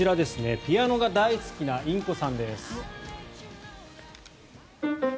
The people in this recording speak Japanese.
ピアノが大好きなインコさんです。